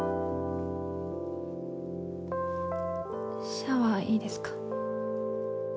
シャワーいいですか？